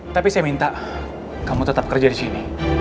tapi saya minta kamu tetap kerja di sini